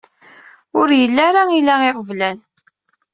Ur yelli ara ila iɣeblan.